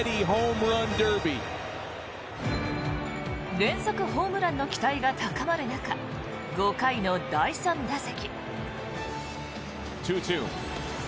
連続ホームランの期待が高まる中５回の第３打席。